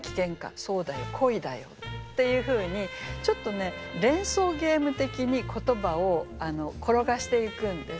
そうだよ恋だよっていうふうにちょっとね連想ゲーム的に言葉を転がしていくんです。